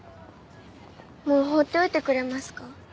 もう放っておいてくれますか？